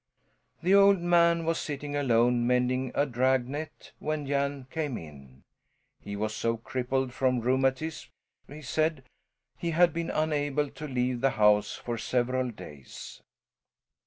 The old man was sitting alone mending a drag net when Jan came in. He was so crippled from rheumatism, he said, he had been unable to leave the house for several days.